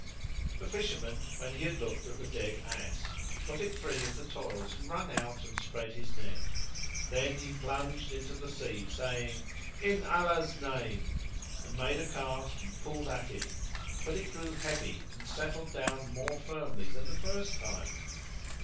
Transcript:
The Fisherman, when he had looked at the dead ass, got it free of the toils and wrung out and spread his net; then he plunged into the sea, saying, "In Allah's name!" and made a cast and pulled at it, but it grew heavy and settled down more firmly than the first time.